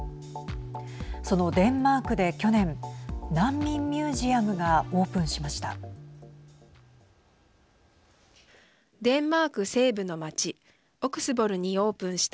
そのデンマークで去年難民ミュージアムがオープンしました。